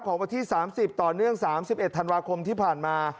วันที่๓๐ต่อเนื่อง๓๑ธันวาคมที่ผ่านมา